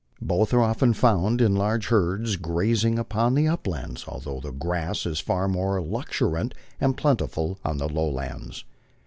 Both are often found in large herds grazing upon the uplands, al though the grass is far more luxuriant and plentiful on the lowlands.